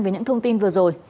về những thông tin vừa rồi